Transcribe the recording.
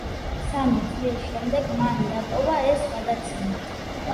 სამი წლის შემდეგ მან დატოვა ეს გადაცემა.